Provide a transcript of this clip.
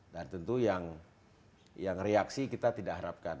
dan tentu yang reaksi kita tidak harapkan